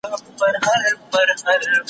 مجبوره ته مه وايه چي غښتلې.